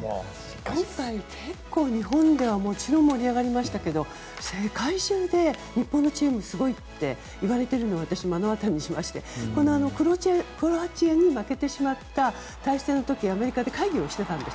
今回、結構日本ではもちろん盛り上がりましたけど世界中で日本のチームすごいって言われているのを私、目の当たりにしましてクロアチアに負けてしまった対戦の時アメリカで会議してたんですよ。